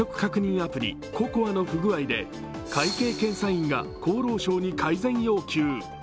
アプリＣＯＣＯＡの不具合で会計検査院が厚労省に改善要求。